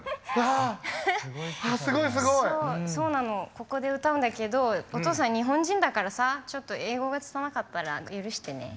ここで歌うんだけどお父さん日本人だからさちょっと英語がつたなかったら許して。